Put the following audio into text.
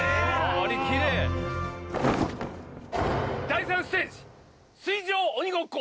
あれきれい第３ステージ水上鬼ごっこ